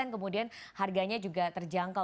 kemudian harganya juga terjangkau